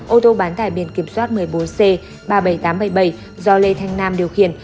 ô tô bán tải biển kiểm soát một mươi bốn c ba mươi bảy nghìn tám trăm bảy mươi bảy do lê thanh nam điều khiển